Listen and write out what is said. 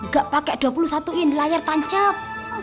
gak pakai dua puluh satu in layar tancap